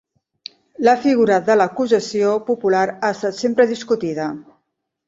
La figura de l'acusació popular ha estat sempre discutida.